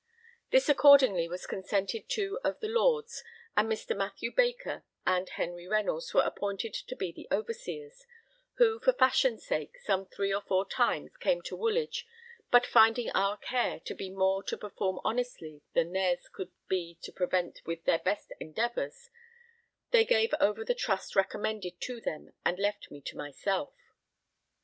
This accordingly was consented to of the Lords, and Mr. Mathew Baker and Henry Reynolds were appointed to be the overseers, who for fashion's sake some three or four times came to Woolwich, but finding our care to be more to perform honestly than theirs could be to prevent with their best endeavours, they gave over the trust recommended to them and left me to myself.